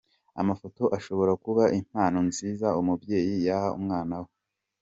Amafoto ashobora kuba impano nziza umubyeyi yaha umwana we.